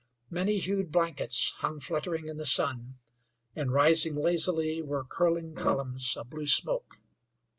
Many hued blankets hung fluttering in the sun, and rising lazily were curling columns of blue smoke.